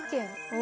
お！